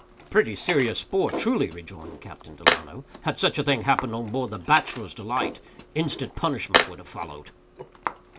"Pretty serious sport, truly," rejoined Captain Delano. "Had such a thing happened on board the Bachelor's Delight, instant punishment would have followed."